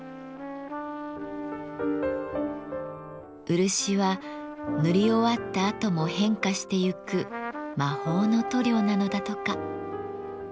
漆は塗り終わったあとも変化してゆく魔法の塗料なのだとか。